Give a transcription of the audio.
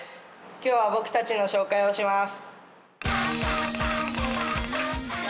今日は僕たちの紹介をします。